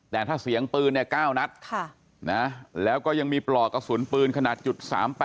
แต่ถ้าเสียงปืนเนี่ย๙นัดแล้วก็ยังมีปลอกกระสุนปืนขนาด๓๘